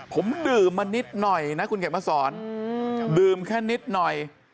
ผมดื่มมานิดหน่อยนะคุณเขียนมาสอนดื่มแค่นิดหน่อย